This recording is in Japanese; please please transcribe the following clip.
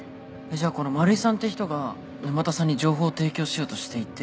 じゃあこの丸井さんって人が沼田さんに情報を提供しようとしていて。